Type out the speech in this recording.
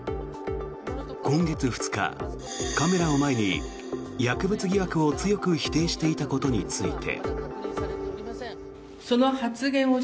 今月２日、カメラを前に薬物疑惑を、強く否定していたことについて。